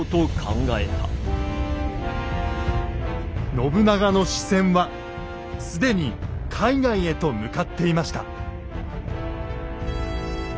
信長の視線は既に海外へと向かっていました。